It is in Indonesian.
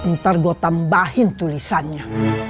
ntar gue tambahin tulisannya